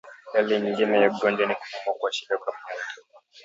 Dalili nyingine ya ugonjwa ni kupumua kwa shida kwa mnyama